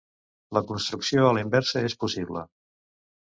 La construcció a la inversa és possible.